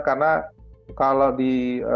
karena kalau di